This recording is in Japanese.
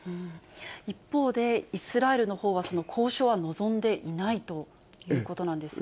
一方で、イスラエルのほうは交渉は望んでいないということなんですね。